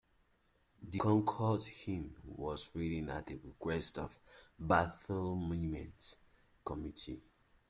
The "Concord Hymn" was written at the request of the Battle Monument Committee.